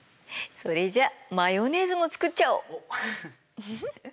それじゃマヨネーズも作っちゃおう！